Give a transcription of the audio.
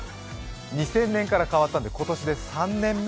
２０００年から変わったので、今年で３年目？